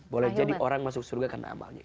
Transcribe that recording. boleh jadi orang masuk surga karena amalnya